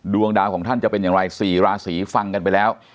ดวงดาวของท่านจะเป็นอย่างไร๔ราศีฟังกันไปแล้ว